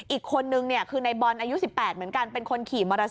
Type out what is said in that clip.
อีกคนนึงคือในบอลอายุ๑๘เหมือนกันเป็นคนขี่มอเตอร์ไซ